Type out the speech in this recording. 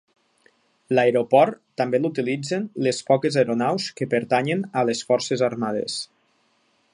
L'aeroport també l'utilitzen les poques aeronaus que pertanyen a les forces armades.